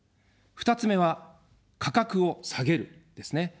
２つ目は、価格を下げる、ですね。